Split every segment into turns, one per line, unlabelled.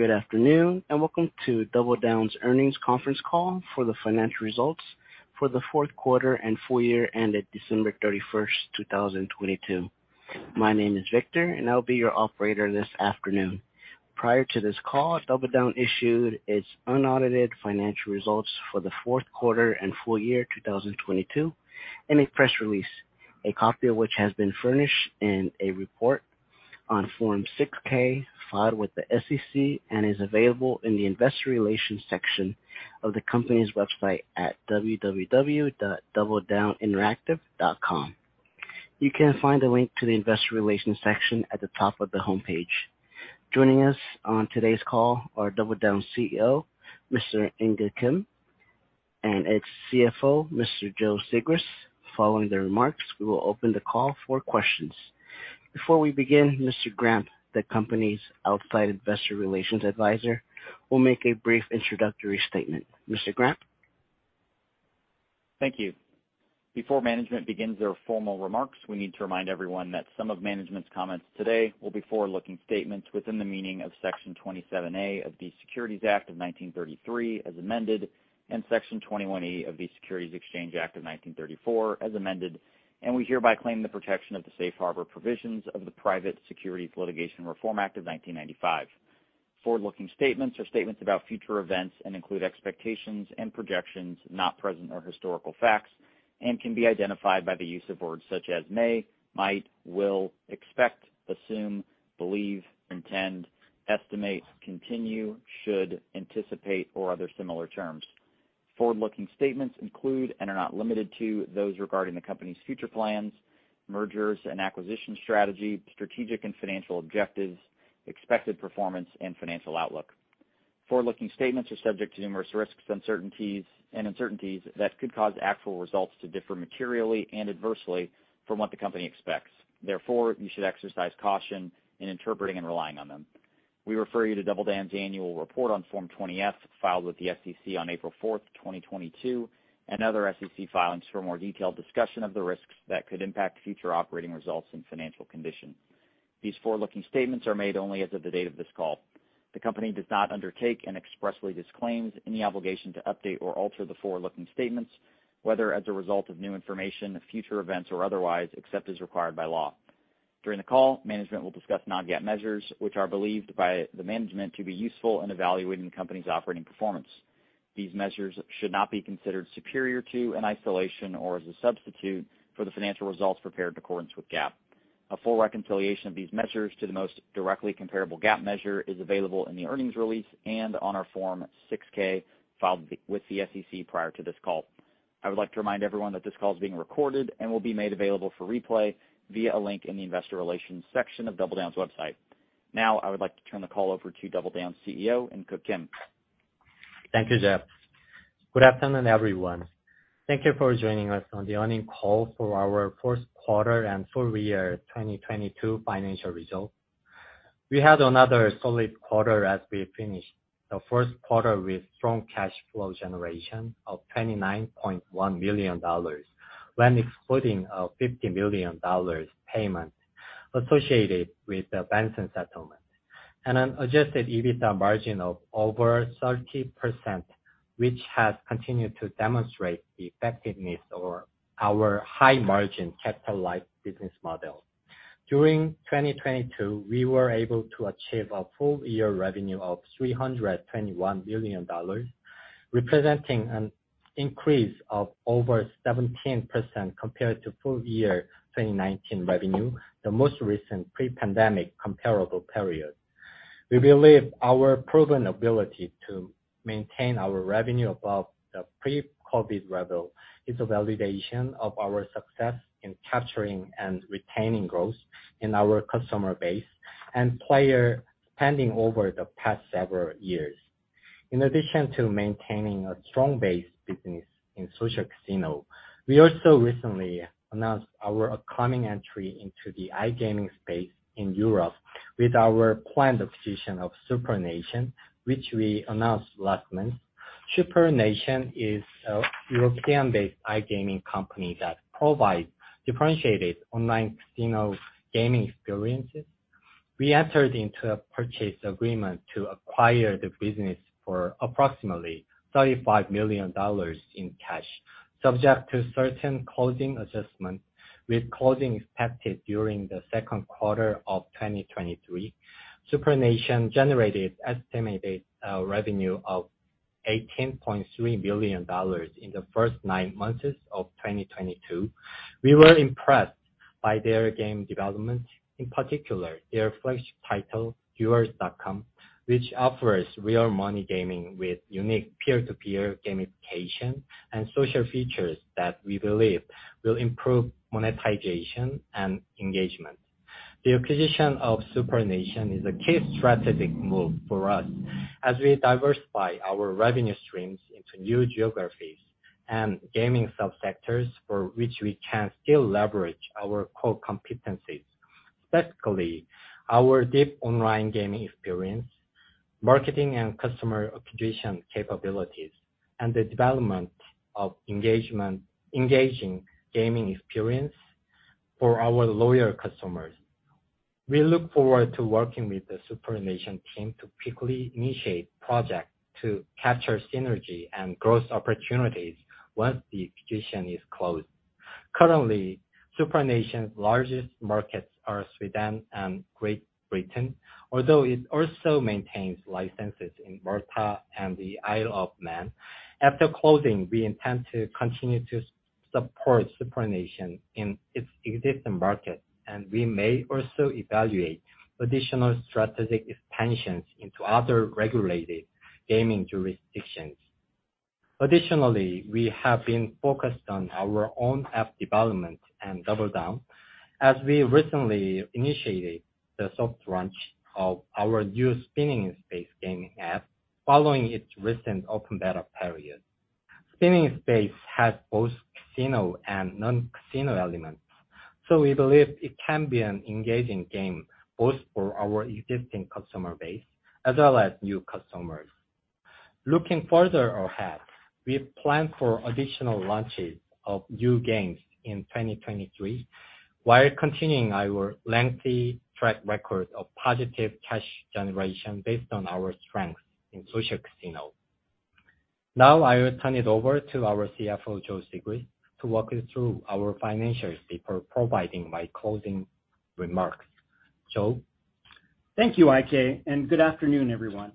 Good afternoon, and welcome to DoubleDown's earnings conference call for the financial results for the fourth quarter and full year ended December 31st, 2022. My name is Victor, and I'll be your operator this afternoon. Prior to this call, DoubleDown issued its unaudited financial results for the fourth quarter and full year 2022 in a press release, a copy of which has been furnished in a report on Form 6-K filed with the SEC and is available in the investor relations section of the company's website at www.doubledowninteractive.com. You can find a link to the investor relations section at the top of the homepage. Joining us on today's call are DoubleDown CEO, Mr. In Keuk Kim, and its CFO, Mr. Joe Sigrist. Following the remarks, we will open the call for questions. Before we begin, Mr. Grampp, the company's outside investor relations advisor, will make a brief introductory statement. Mr. Grampp.
Thank you. Before management begins their formal remarks, we need to remind everyone that some of management's comments today will be forward-looking statements within the meaning of Section 27A of the Securities Act of 1933, as amended, and Section 21E of the Securities Exchange Act of 1934, as amended, and we hereby claim the protection of the safe harbor provisions of the Private Securities Litigation Reform Act of 1995. Forward-looking statements are statements about future events and include expectations and projections not present or historical facts and can be identified by the use of words such as may, might, will, expect, assume, believe, intend, estimate, continue, should, anticipate, or other similar terms. Forward-looking statements include, and are not limited to, those regarding the company's future plans, mergers and acquisition strategy, strategic and financial objectives, expected performance, and financial outlook. Forward-looking statements are subject to numerous risks and uncertainties, and uncertainties that could cause actual results to differ materially and adversely from what the company expects. Therefore, you should exercise caution in interpreting and relying on them. We refer you to DoubleDown's annual report on Form 20-F, filed with the SEC on April fourth, 2022, and other SEC filings for more detailed discussion of the risks that could impact future operating results and financial condition. These forward-looking statements are made only as of the date of this call. The company does not undertake and expressly disclaims any obligation to update or alter the forward-looking statements, whether as a result of new information, future events or otherwise, except as required by law. During the call, management will discuss non-GAAP measures, which are believed by the management to be useful in evaluating the company's operating performance. These measures should not be considered superior to, in isolation, or as a substitute for the financial results prepared in accordance with GAAP. A full reconciliation of these measures to the most directly comparable GAAP measure is available in the earnings release and on our Form 6-K filed with the SEC prior to this call. I would like to remind everyone that this call is being recorded and will be made available for replay via a link in the investor relations section of DoubleDown's website. Now, I would like to turn the call over to DoubleDown's CEO, In Keuk Kim.
Thank you, Jeff. Good afternoon, everyone. Thank you for joining us on the earnings call for our fourth quarter and full year 2022 financial results. We had another solid quarter as we finished the first quarter with strong cash flow generation of $29.1 million when excluding a $50 million payment associated with the Benson settlement. An Adjusted EBITDA margin of over 30%, which has continued to demonstrate the effectiveness of our high margin capital-light business model. During 2022, we were able to achieve a full year revenue of $321 million, representing an increase of over 17% compared to full year 2019 revenue, the most recent pre-pandemic comparable period. We believe our proven ability to maintain our revenue above the pre-COVID level is a validation of our success in capturing and retaining growth in our customer base and player spending over the past several years. In addition to maintaining a strong base business in social casino, we also recently announced our upcoming entry into the iGaming space in Europe with our planned acquisition of SuprNation, which we announced last month. SuprNation is a European-based iGaming company that provides differentiated online casino gaming experiences. We entered into a purchase agreement to acquire the business for approximately $35 million in cash, subject to certain closing adjustments, with closing expected during the second quarter of 2023. SuprNation generated estimated revenue of $18.3 million in the first nine months of 2022. We were impressed by their game development, in particular, their flagship title, Duelz.com, which offers real-money gaming with unique peer-to-peer gamification and social features that we believe will improve monetization and engagement. The acquisition of SuprNation is a key strategic move for us as we diversify our revenue streams into new geographies and gaming subsectors for which we can still leverage our core competencies, specifically our deep online gaming experience, marketing and customer acquisition capabilities, and the development of engaging gaming experience. For our loyal customers. We look forward to working with the SuprNation team to quickly initiate projects to capture synergy and growth opportunities once the acquisition is closed. Currently, SuprNation's largest markets are Sweden and Great Britain, although it also maintains licenses in Malta and the Isle of Man. After closing, we intend to continue to support SuprNation in its existing markets. We may also evaluate additional strategic expansions into other regulated gaming jurisdictions. Additionally, we have been focused on our own app development and DoubleDown, as we recently initiated the soft launch of our new Spinning in Space game app following its recent open beta period. Spinning in Space has both casino and non-casino elements. We believe it can be an engaging game both for our existing customer base as well as new customers. Looking further ahead, we plan for additional launches of new games in 2023 while continuing our lengthy track record of positive cash generation based on our strengths in social casino. I will turn it over to our CFO, Joe Sigrist, to walk you through our financial state providing my closing remarks. Joe?
Thank you, IK. Good afternoon, everyone.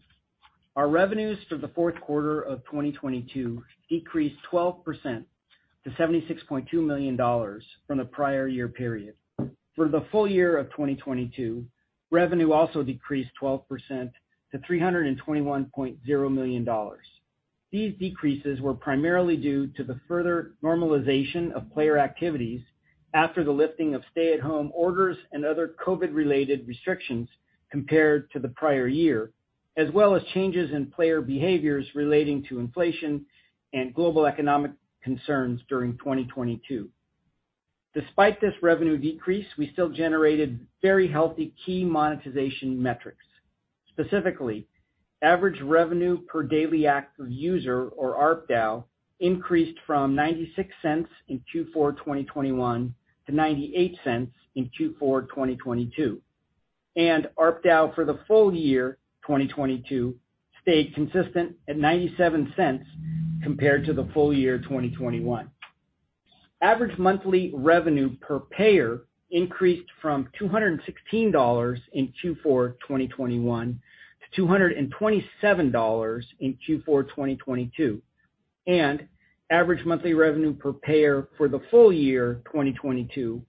Our revenues for the fourth quarter of 2022 decreased 12% to $76.2 million from the prior year period. For the full year of 2022, revenue also decreased 12% to $321.0 million. These decreases were primarily due to the further normalization of player activities after the lifting of stay-at-home orders and other COVID-related restrictions compared to the prior year, as well as changes in player behaviors relating to inflation and global economic concerns during 2022. Despite this revenue decrease, we still generated very healthy key monetization metrics. Specifically, Average Revenue Per Daily Active User, or ARPDAU, increased from $0.96 in Q4 2021 to $0.98 in Q4 2022. ARPDAU for the full year 2022 stayed consistent at $0.97 compared to the full year 2021. Average monthly revenue per payer increased from $216 in Q4 2021 to $227 in Q4 2022, and average monthly revenue per payer for the full year 2022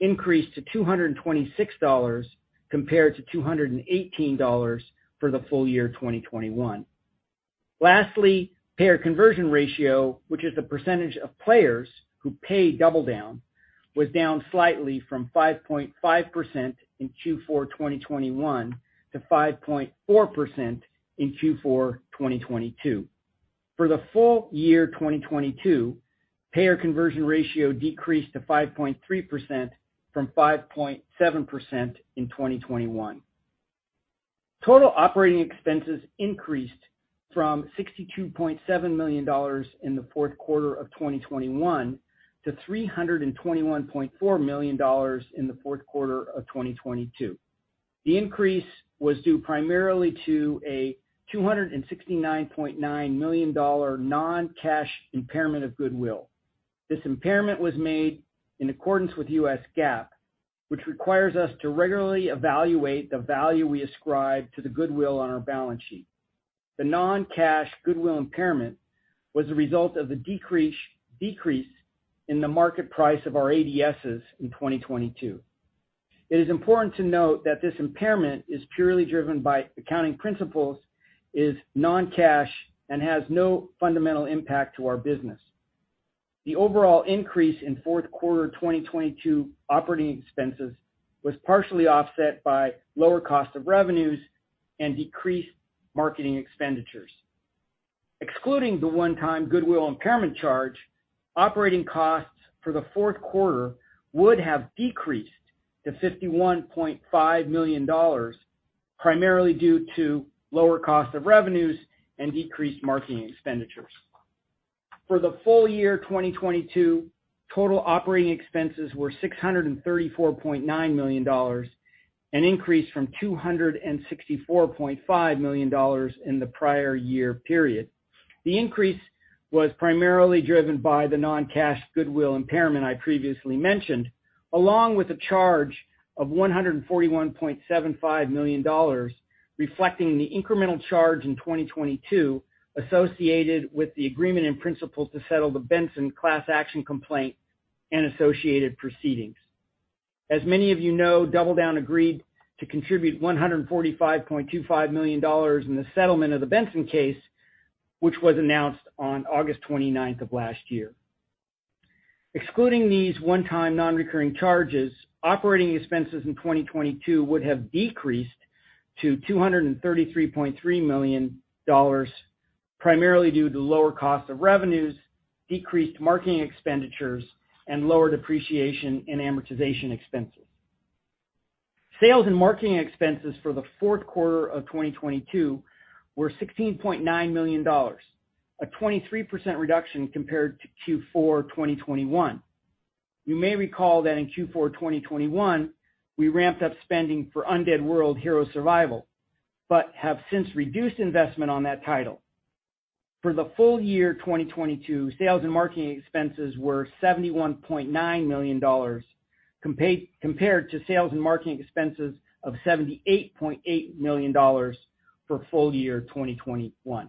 increased to $226 compared to $218 for the full year 2021. Lastly, payer conversion ratio, which is the percentage of players who pay DoubleDown, was down slightly from 5.5% in Q4 2021 to 5.4% in Q4 2022. For the full year 2022, payer conversion ratio decreased to 5.3% from 5.7% in 2021. Total operating expenses increased from $62.7 million in the fourth quarter of 2021 to $321.4 million in the fourth quarter of 2022. The increase was due primarily to a $269.9 million non-cash impairment of goodwill. This impairment was made in accordance with U.S. GAAP, which requires us to regularly evaluate the value we ascribe to the goodwill on our balance sheet. The non-cash goodwill impairment was the result of the decrease in the market price of our ADSs in 2022. It is important to note that this impairment is purely driven by accounting principles, is non-cash, and has no fundamental impact to our business. The overall increase in fourth quarter 2022 operating expenses was partially offset by lower cost of revenues and decreased marketing expenditures. Excluding the one-time goodwill impairment charge, operating costs for the fourth quarter would have decreased to $51.5 million, primarily due to lower cost of revenues and decreased marketing expenditures. For the full year 2022, total operating expenses were $634.9 million, an increase from $264.5 million in the prior year period. The increase was primarily driven by the non-cash goodwill impairment I previously mentioned, along with a charge of $141.75 million, reflecting the incremental charge in 2022 associated with the agreement in principle to settle the Benson class action complaint and associated proceedings. As many of you know, DoubleDown agreed to contribute $145.25 million in the settlement of the Benson case, which was announced on August 29th of last year. Excluding these one-time non-recurring charges, operating expenses in 2022 would have decreased to $233.3 million, primarily due to lower cost of revenues, decreased marketing expenditures, and lower depreciation and amortization expenses. Sales and marketing expenses for the fourth quarter of 2022 were $16.9 million, a 23% reduction compared to Q4 2021. You may recall that in Q4 2021, we ramped up spending for Undead World: Hero Survival, but have since reduced investment on that title. For the full year 2022, sales and marketing expenses were $71.9 million compared to sales and marketing expenses of $78.8 million for full year 2021.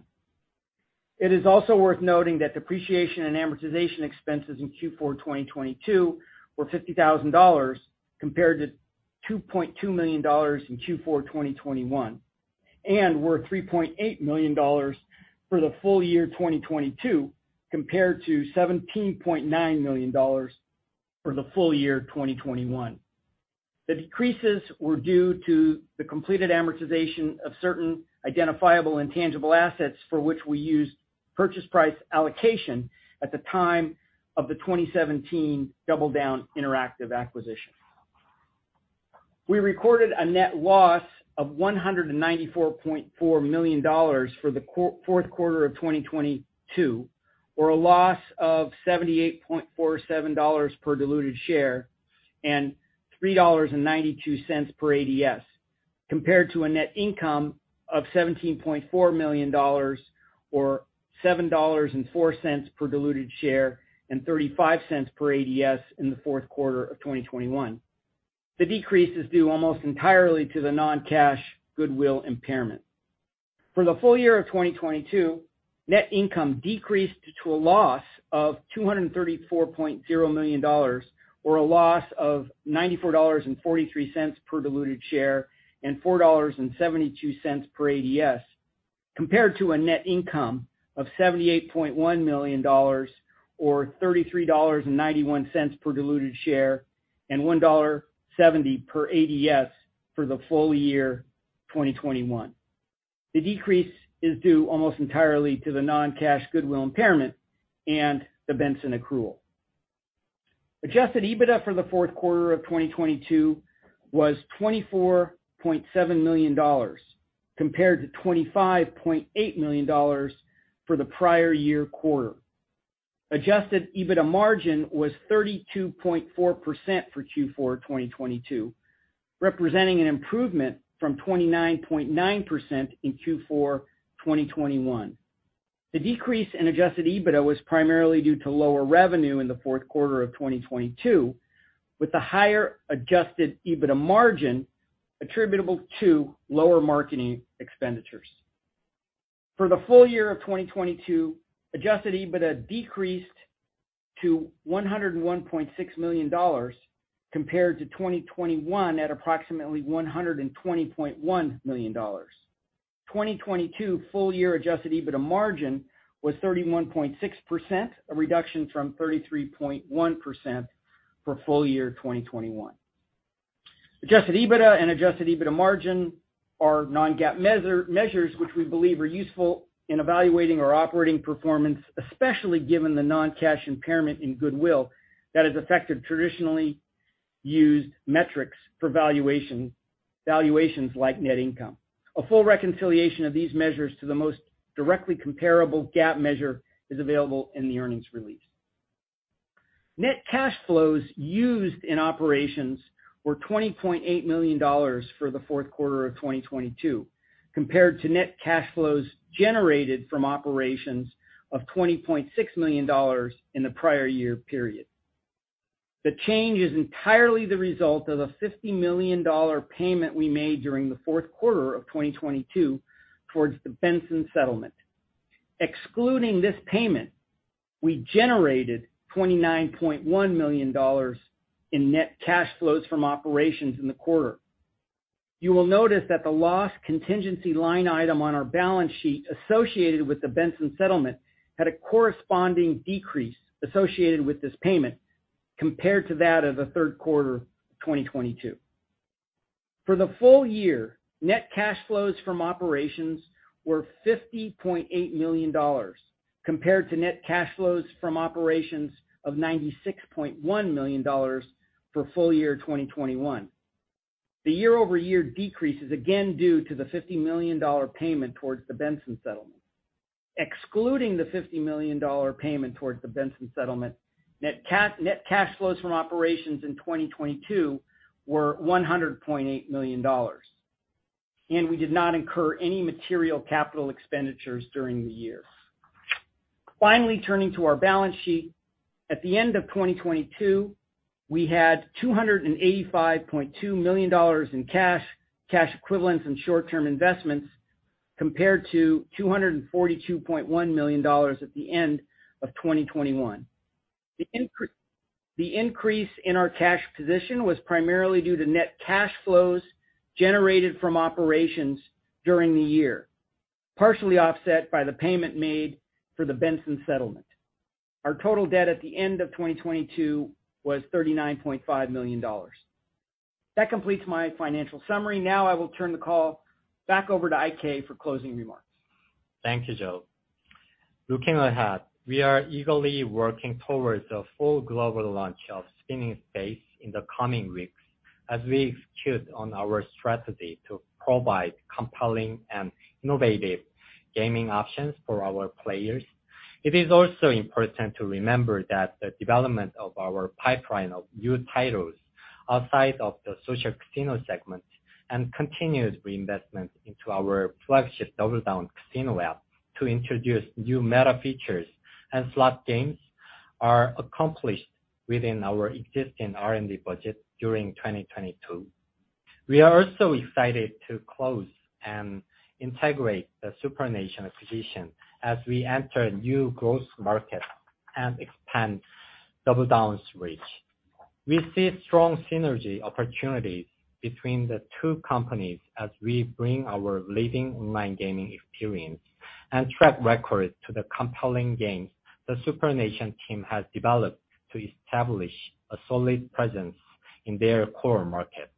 It is also worth noting that depreciation and amortization expenses in Q4 2022 were $50,000 compared to $2.2 million in Q4 2021, and were $3.8 million for the full year 2022 compared to $17.9 million for the full year 2021. The decreases were due to the completed amortization of certain identifiable and tangible assets for which we used purchase price allocation at the time of the 2017 DoubleDown Interactive acquisition. We recorded a net loss of $194.4 million for the fourth quarter of 2022, or a loss of $78.47 per diluted share and $3.92 per ADS, compared to a net income of $17.4 million or $7.04 per diluted share and $0.35 per ADS in the fourth quarter of 2021. The decrease is due almost entirely to the non-cash goodwill impairment. For the full year of 2022, net income decreased to a loss of $234.0 million or a loss of $94.43 per diluted share and $4.72 per ADS, compared to a net income of $78.1 million or $33.91 per diluted share and $1.70 per ADS for the full year 2021. The decrease is due almost entirely to the non-cash goodwill impairment and the Benson accrual. Adjusted EBITDA for the fourth quarter of 2022 was $24.7 million compared to $25.8 million for the prior year quarter. Adjusted EBITDA margin was 32.4% for Q4 2022, representing an improvement from 29.9% in Q4 2021. The decrease in Adjusted EBITDA was primarily due to lower revenue in the fourth quarter of 2022, with the higher Adjusted EBITDA margin attributable to lower marketing expenditures. For the full year of 2022, Adjusted EBITDA decreased to $101.6 million compared to 2021 at approximately $120.1 million. 2022 full year Adjusted EBITDA margin was 31.6%, a reduction from 33.1% for full year 2021. Adjusted EBITDA and Adjusted EBITDA margin are non-GAAP measures which we believe are useful in evaluating our operating performance, especially given the non-cash impairment in goodwill that has affected traditionally used metrics for valuation, like net income. A full reconciliation of these measures to the most directly comparable GAAP measure is available in the earnings release. Net cash flows used in operations were $20.8 million for the fourth quarter of 2022, compared to net cash flows generated from operations of $20.6 million in the prior year period. The change is entirely the result of a $50 million payment we made during the fourth quarter of 2022 towards the Benson settlement. Excluding this payment, we generated $29.1 million in net cash flows from operations in the quarter. You will notice that the loss contingency line item on our balance sheet associated with the Benson settlement had a corresponding decrease associated with this payment compared to that of the third quarter 2022. For the full year, net cash flows from operations were $50.8 million compared to net cash flows from operations of $96.1 million for full year 2021. The year-over-year decrease is again due to the $50 million payment towards the Benson settlement. Excluding the $50 million payment towards the Benson settlement, net cash flows from operations in 2022 were $100.8 million. We did not incur any material capital expenditures during the year. Finally, turning to our balance sheet. At the end of 2022, we had $285.2 million in cash equivalents and short-term investments, compared to $242.1 million at the end of 2021. The increase in our cash position was primarily due to net cash flows generated from operations during the year, partially offset by the payment made for the Benson settlement. Our total debt at the end of 2022 was $39.5 million. That completes my financial summary. Now I will turn the call back over to IK for closing remarks.
Thank you, Joe. Looking ahead, we are eagerly working towards a full global launch of Spinning in Space in the coming weeks as we execute on our strategy to provide compelling and innovative gaming options for our players. It is also important to remember that the development of our pipeline of new titles outside of the social casino segment and continued reinvestment into our flagship DoubleDown Casino app to introduce new meta features and slot games are accomplished within our existing R&D budget during 2022. We are also excited to close and integrate the SuprNation acquisition as we enter new growth markets and expand DoubleDown's reach. We see strong synergy opportunities between the two companies as we bring our leading online gaming experience and track record to the compelling games the SuprNation team has developed to establish a solid presence in their core market.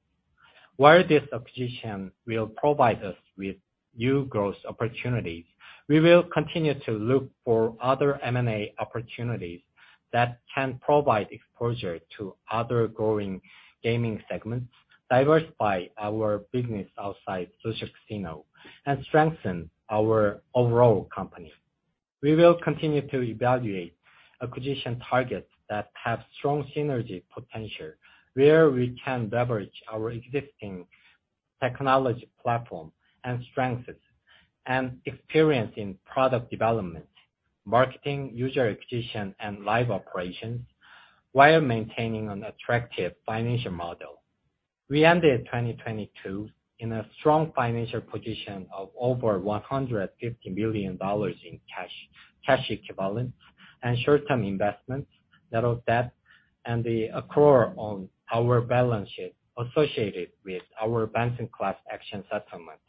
While this acquisition will provide us with new growth opportunities, we will continue to look for other M&A opportunities that can provide exposure to other growing gaming segments, diversify our business outside social casino, and strengthen our overall company. We will continue to evaluate acquisition targets that have strong synergy potential, where we can leverage our existing technology platform and strengths and experience in product development, marketing, user acquisition, and live operations while maintaining an attractive financial model. We ended 2022 in a strong financial position of over $150 million in cash equivalents, and short-term investments, net of debt and the accrual on our balance sheet associated with our Benson class action settlement.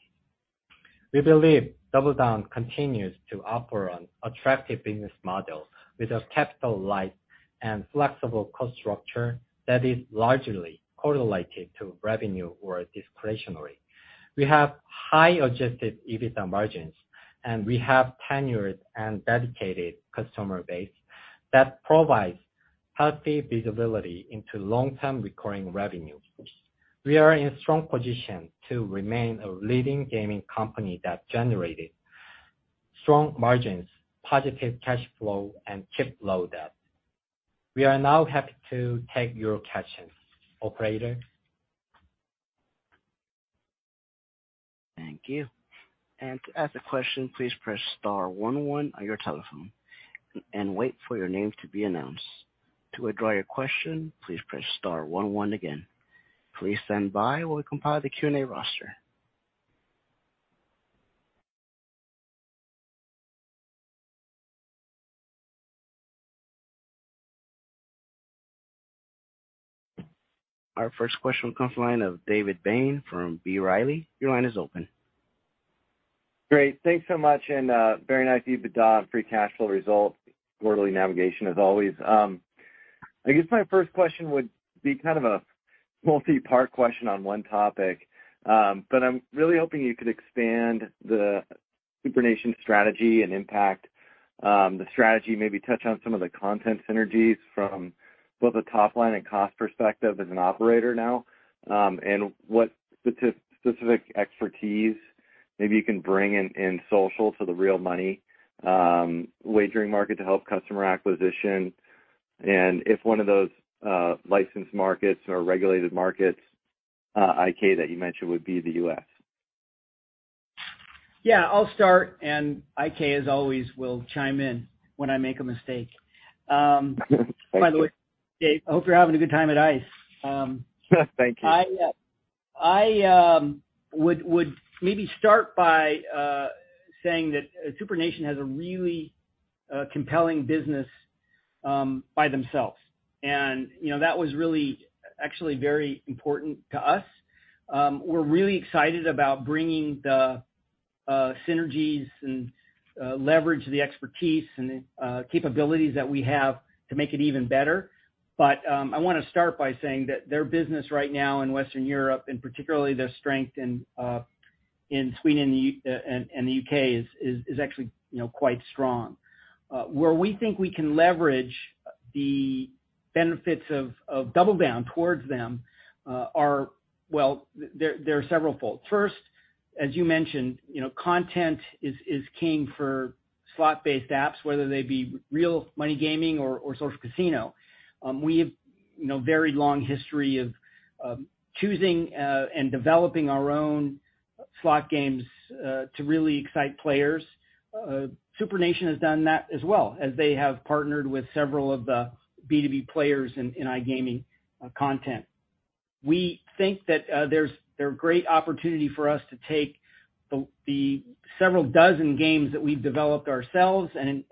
We believe DoubleDown continues to offer an attractive business model with a capital light and flexible cost structure that is largely correlated to revenue or discretionary. We have high Adjusted EBITDA margins, and we have tenured and dedicated customer base that provides healthy visibility into long-term recurring revenues. We are in a strong position to remain a leading gaming company that generated strong margins, positive cash flow, and keep low debt. We are now happy to take your questions. Operator?
Thank you. To ask a question, please press star 11 on your telephone and wait for your name to be announced. To withdraw your question, please press star 11 again. Please stand by while we compile the Q&A roster. Our first question comes from the line of David Bain from B. Riley. Your line is open.
Great. Thanks so much and very nice Adjusted EBITDA free cash flow result quarterly navigation as always. I guess my first question would be kind of a multi-part question on one topic, but I'm really hoping you could expand the SuprNation strategy and impact, the strategy, maybe touch on some of the content synergies from both a top line and cost perspective as an operator now, and what spec-specific expertise maybe you can bring in social to the real money wagering market to help customer acquisition. If one of those licensed markets or regulated markets, IK that you mentioned would be the U.S.
Yeah, I'll start, and IK, as always, will chime in when I make a mistake.
Thank you.
By the way, Dave, I hope you're having a good time at [ICE].
Thank you.
I would maybe start by saying that SuprNation has a really compelling business by themselves. You know, that was really actually very important to us. We're really excited about bringing the synergies and leverage the expertise and capabilities that we have to make it even better. I wanna start by saying that their business right now in Western Europe, and particularly their strength in Sweden and the U.K. is actually, you know, quite strong. Where we think we can leverage the benefits of DoubleDown towards them, well, there are several fold. First, as you mentioned, you know, content is king for slot-based apps, whether they be real money gaming or social casino. We have, you know, a very long history of choosing and developing our own slot games to really excite players. SuprNation has done that as well, as they have partnered with several of the B2B players in iGaming content. We think that they're a great opportunity for us to take the several dozen games that we've developed ourselves and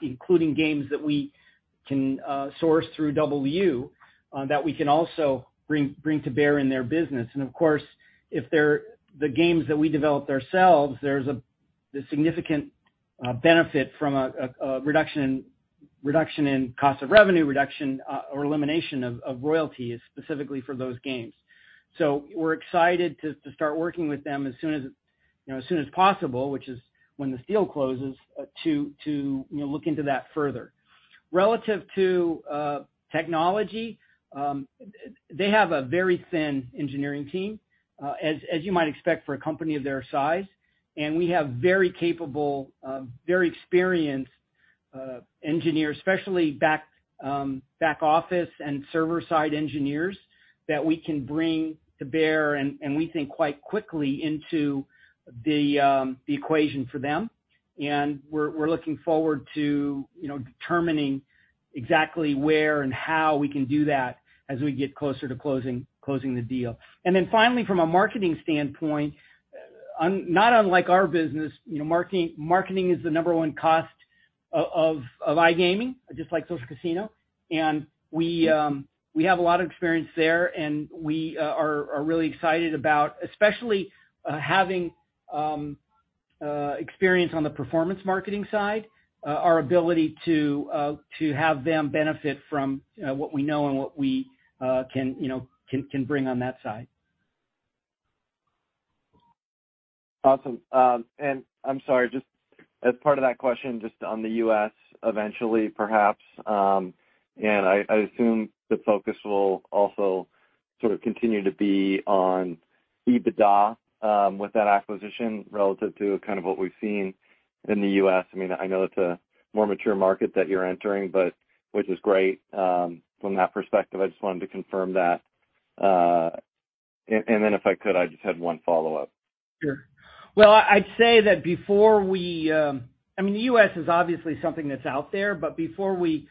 including games that we can source through DoubleU that we can also bring to bear in their business. Of course, if they're the games that we developed ourselves, there's a significant benefit from a reduction in cost of revenue, reduction or elimination of royalties specifically for those games. We're excited to start working with them as soon as, you know, as soon as possible, which is when this deal closes, to, you know, look into that further. Relative to technology, they have a very thin engineering team, as you might expect for a company of their size. We have very capable, very experienced engineers, especially back-office and server-side engineers that we can bring to bear, and we think quite quickly into the equation for them. We're looking forward to, you know, determining exactly where and how we can do that as we get closer to closing the deal. Finally, from a marketing standpoint, not unlike our business, you know, marketing is the number one cost of iGaming, just like social casino. We have a lot of experience there, and we are really excited about especially having experience on the performance marketing side, our ability to have them benefit from what we know and what we can, you know, can bring on that side.
Awesome. I'm sorry, just as part of that question, just on the U.S. eventually perhaps, I assume the focus will also sort of continue to be on EBITDA, with that acquisition relative to kind of what we've seen in the U.S. I mean, I know it's a more mature market that you're entering, but which is great, from that perspective. I just wanted to confirm that. Then if I could, I just had one follow-up.
Sure. Well, I'd say that before we, I mean, the U.S. is obviously something that's out there, but before we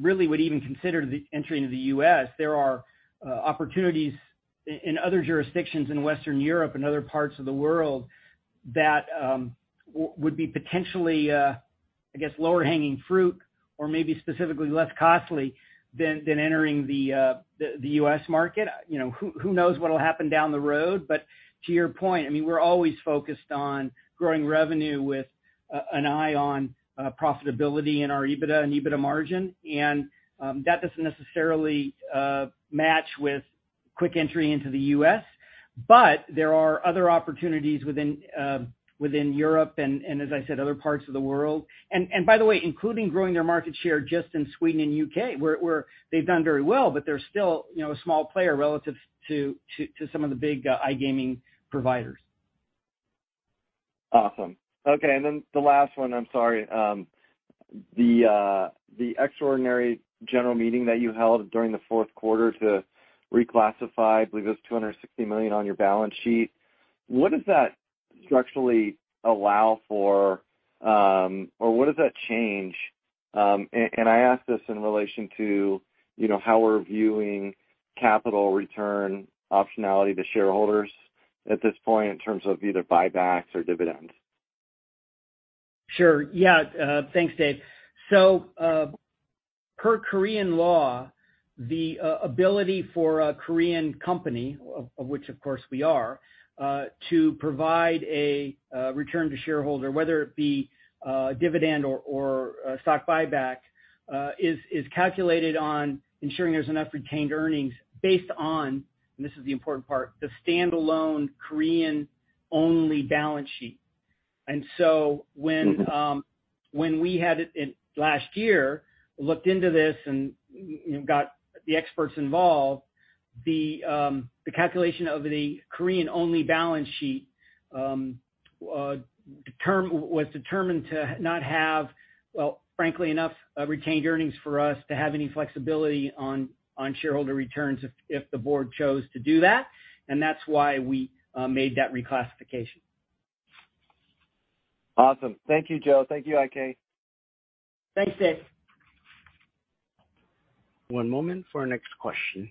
really would even consider the entry into the U.S., there are opportunities in other jurisdictions in Western Europe and other parts of the world that would be potentially I guess, lower hanging fruit or maybe specifically less costly than entering the U.S. market. You know, who knows what'll happen down the road. To your point, I mean, we're always focused on growing revenue with an eye on profitability and our EBITDA and EBITDA margin. That doesn't necessarily match with quick entry into the U.S. There are other opportunities within Europe, and as I said, other parts of the world. By the way, including growing their market share just in Sweden and U.K., where they've done very well, but they're still, you know, a small player relative to some of the big iGaming providers.
Awesome. Okay. The last one, I'm sorry. The extraordinary general meeting that you held during the fourth quarter to reclassify, I believe, it was $260 million on your balance sheet. What does that structurally allow for, or what does that change? I ask this in relation to, you know, how we're viewing capital return optionality to shareholders at this point in terms of either buybacks or dividends.
Sure. Yeah. Thanks, Dave. Per Korean law, the ability for a Korean company, of which of course we are, to provide a return to shareholder, whether it be dividend or a stock buyback, is calculated on ensuring there's enough retained earnings based on, and this is the important part, the standalone Korean-only balance sheet.
Mm-hmm.
When we had it in last year, looked into this and, you know, got the experts involved, the calculation of the Korean-only balance sheet, was determined to not have, well, frankly enough, retained earnings for us to have any flexibility on shareholder returns if the board chose to do that. That's why we made that reclassification.
Awesome. Thank you, Joe. Thank you, IK.
Thanks, Dave.
One moment for our next question.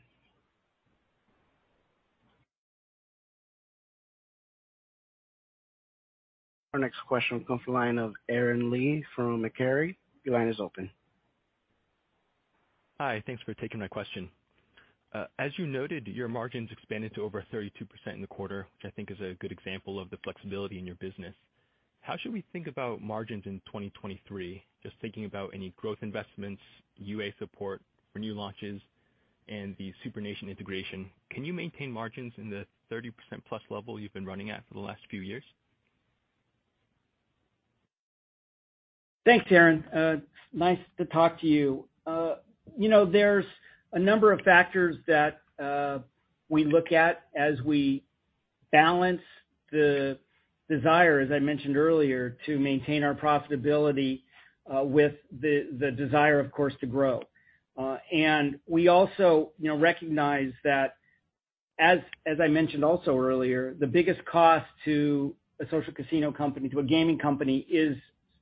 Our next question comes from the line of Aaron Lee from Macquarie. Your line is open.
Hi. Thanks for taking my question. As you noted, your margins expanded to over 32% in the quarter, which I think is a good example of the flexibility in your business. How should we think about margins in 2023? Just thinking about any growth investments, UA support for new launches, and the SuprNation integration. Can you maintain margins in the 30%+ level you've been running at for the last few years?
Thanks, Aaron. Nice to talk to you. You know, there's a number of factors that we look at as we balance the desire, as I mentioned earlier, to maintain our profitability with the desire, of course, to grow. We also, you know, recognize that as I mentioned also earlier, the biggest cost to a social casino company, to a gaming company is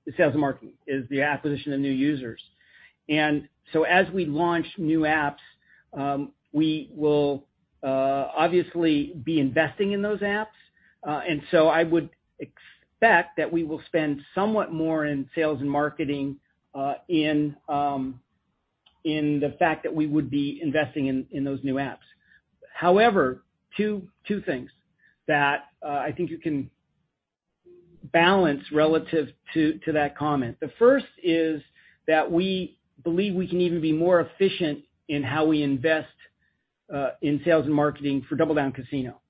the sales and marketing, is the acquisition of new users. As we launch new apps, we will obviously be investing in those apps. I would expect that we will spend somewhat more in sales and marketing in the fact that we would be investing in those new apps. However, two things that I think you can balance relative to that comment. The first is that we believe we can even be more efficient in how we invest in sales and marketing for DoubleDown Casino.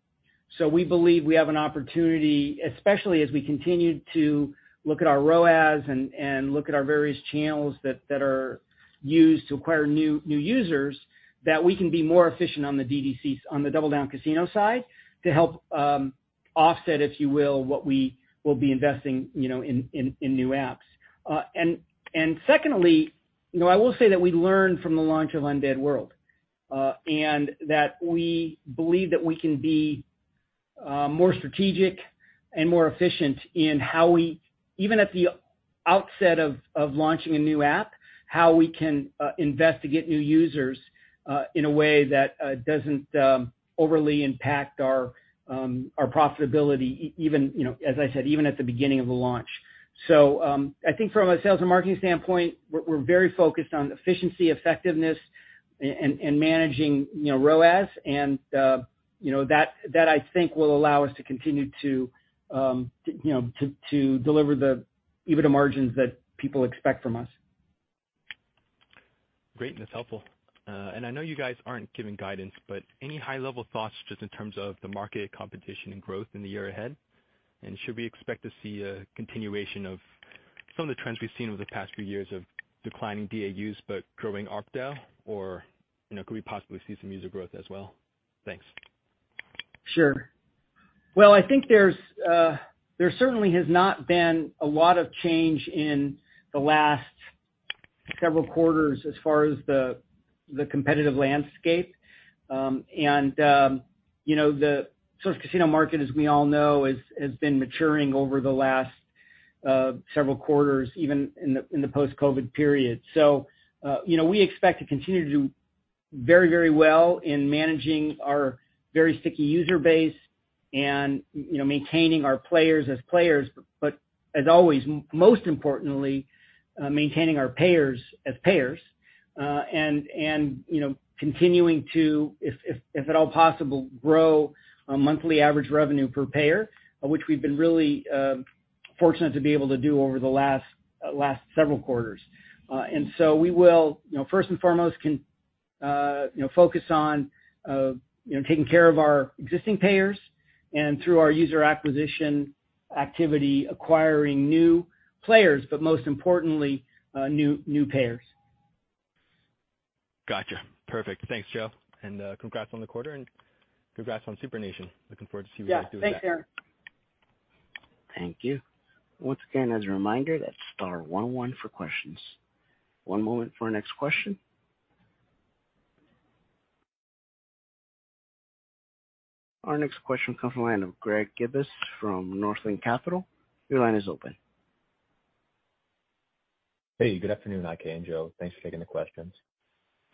We believe we have an opportunity, especially as we continue to look at our ROAS and look at our various channels that are used to acquire new users, that we can be more efficient on the DoubleDown Casino side to help, if you will, what we will be investing, you know, in new apps. Secondly, you know, I will say that we learned from the launch of Undead World, and that we believe that we can be more strategic and more efficient in how we even at the outset of launching a new app, how we can investigate new users in a way that doesn't overly impact our profitability even, you know, as I said, even at the beginning of the launch. I think from a sales and marketing standpoint, we're very focused on efficiency, effectiveness and managing, you know, ROAS. You know, that I think will allow us to continue to, you know, to deliver the EBITDA margins that people expect from us.
Great. That's helpful. I know you guys aren't giving guidance, but any high-level thoughts just in terms of the market competition and growth in the year ahead? Should we expect to see a continuation of some of the trends we've seen over the past few years of declining DAUs but growing ARPDAU, or, you know, could we possibly see some user growth as well? Thanks.
Sure. Well, I think there's, there certainly has not been a lot of change in the last several quarters as far as the competitive landscape. You know, the social casino market, as we all know, has been maturing over the last several quarters, even in the, in the post-COVID period. You know, we expect to continue to do very well in managing our very sticky user base and, you know, maintaining our players as players. As always, most importantly, maintaining our payers as payers, and, you know, continuing to, if at all possible, grow our monthly average revenue per payer, which we've been really fortunate to be able to do over the last several quarters. We will, you know, first and foremost, focus on, you know, taking care of our existing payers and through our user acquisition activity, acquiring new players, but most importantly, new payers.
Gotcha. Perfect. Thanks, Joe. Congrats on the quarter and congrats on SuprNation. Looking forward to see you guys do with that.
Yeah. Thanks, Aaron.
Thank you. Once again, as a reminder, that's star one one for questions. One moment for our next question. Our next question comes from the line of Greg Gibas from Northland Capital. Your line is open.
Hey, good afternoon, IK and Joe. Thanks for taking the questions.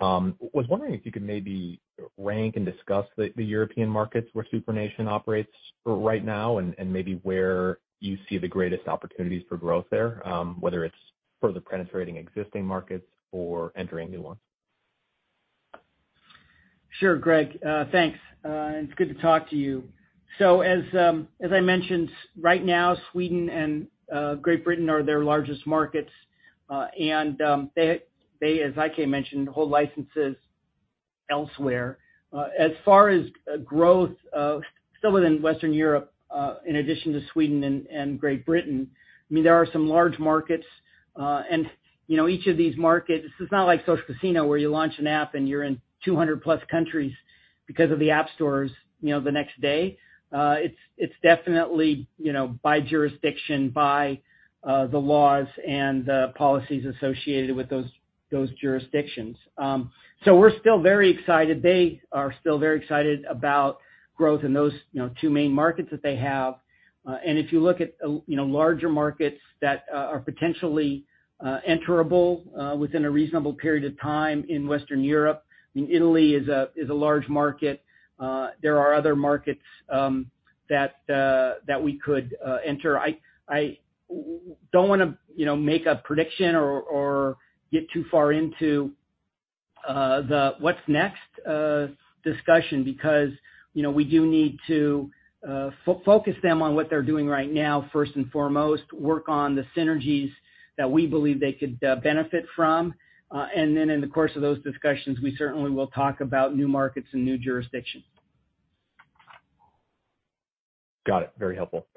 Was wondering if you could maybe rank and discuss the European markets where SuprNation operates right now and maybe where you see the greatest opportunities for growth there, whether it's further penetrating existing markets or entering new ones?
Sure, Greg. Thanks. It's good to talk to you. As, as I mentioned, right now, Sweden and Great Britain are their largest markets. They, as IK mentioned, hold licenses elsewhere. As far as growth, still within Western Europe, in addition to Sweden and Great Britain, I mean, there are some large markets. You know, each of these markets, this is not like social casino where you launch an app and you're in 200+ countries because of the app stores, you know, the next day. It's, it's definitely, you know, by jurisdiction, by the laws and the policies associated with those jurisdictions. We're still very excited. They are still very excited about growth in those, you know, two main markets that they have. If you look at, you know, larger markets that are potentially enterable within a reasonable period of time in Western Europe, I mean, Italy is a, is a large market. There are other markets that we could enter. I don't wanna, you know, make a prediction or get too far into, the what's next, discussion because, you know, we do need to, focus them on what they're doing right now, first and foremost, work on the synergies that we believe they could, benefit from. Then in the course of those discussions, we certainly will talk about new markets and new jurisdictions.
Got it. Very helpful.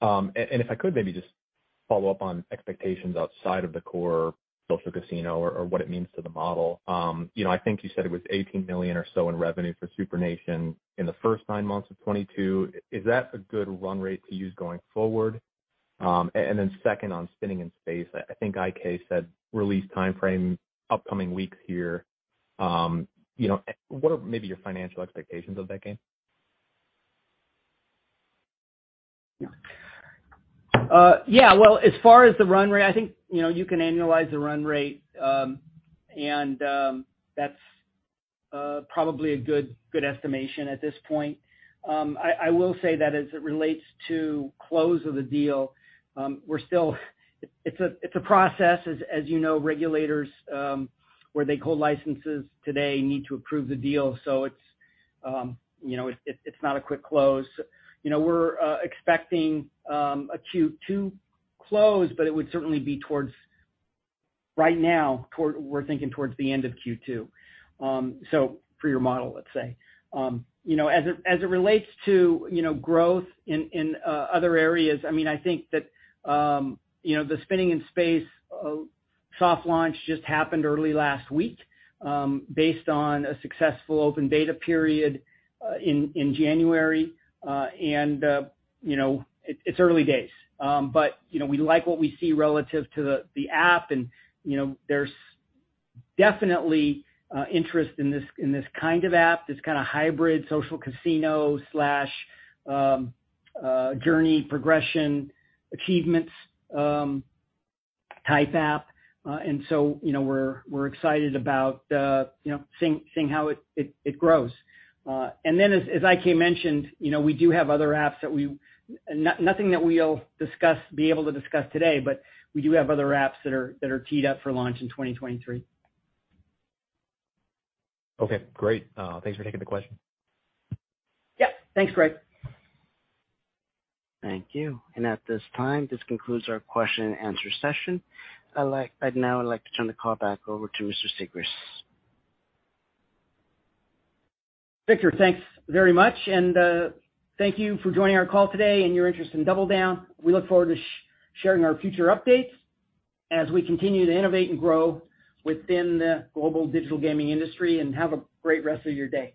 If I could maybe just follow up on expectations outside of the core social casino or what it means to the model. You know, I think you said it was $18 million or so in revenue for SuprNation in the first nine months of 2022. Is that a good run rate to use going forward? Then second, on Spinning in Space, I think IK said release timeframe upcoming weeks here. You know, what are maybe your financial expectations of that game?
Yeah. Well, as far as the run rate, I think, you know, you can annualize the run rate. That's probably a good estimation at this point. I will say that as it relates to close of the deal, we're still... It's a process. As you know, regulators, where they hold licenses today need to approve the deal, it's, you know, it's not a quick close. You know, we're expecting a Q2 close, but it would certainly be towards, right now, we're thinking towards the end of Q2. For your model, let's say. You know, as it relates to, you know, growth in other areas, I mean, I think that, you know, the Spinning in Space soft launch just happened early last week, based on a successful open beta period in January. You know, it's early days. You know, we like what we see relative to the app and, you know, there's definitely interest in this kind of app, this kinda hybrid social casino slash journey progression, achievements, type app. You know, we're excited about, you know, seeing how it grows. As IK mentioned, you know, we do have other apps that we... Nothing that we'll discuss, be able to discuss today, but we do have other apps that are teed up for launch in 2023.
Okay, great. thanks for taking the question.
Yep. Thanks, Greg.
Thank you. At this time, this concludes our question and answer session. I'd now like to turn the call back over to Mr. Sigrist.
Victor, thanks very much, and, thank you for joining our call today and your interest in DoubleDown. We look forward to sharing our future updates as we continue to innovate and grow within the global digital gaming industry, and have a great rest of your day.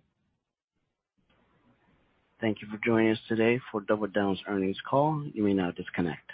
Thank you for joining us today for DoubleDown's earnings call. You may now disconnect.